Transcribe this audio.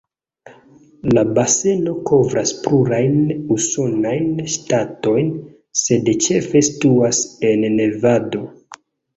La baseno kovras plurajn usonajn ŝtatojn, sed ĉefe situas en Nevado.